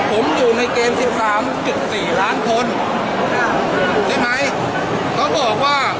ผมอยู่ในเกมสิบสามจุดสี่ล้านคนใช่ไหมเขาบอกว่า